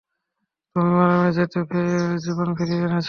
তুমি, মরা মেঝেতে জীবন ফিরিয়ে এনেছো।